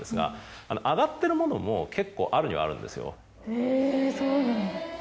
えぇそうなんだ。